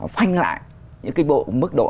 phanh lại những cái bộ mức độ